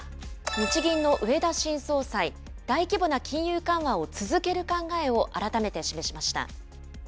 日銀の植田新総裁、大規模な金融緩和を続ける考えを改めて示しました。